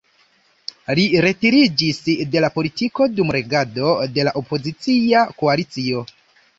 Li retiriĝis de la politiko dum regado de la opozicia koalicio.